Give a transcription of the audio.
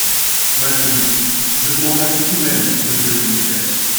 Maltenu Je vous remercie tout de même, Monsieur le commissaire…